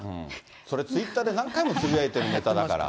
それツイッターで、何回もつぶやいてるネタだから。